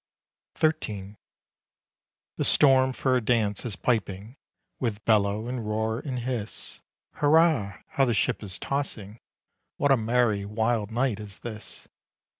XIII. The storm for a dance is piping, With bellow and roar and hiss. Hurrah! how the ship is tossing, What a merry wild night is this!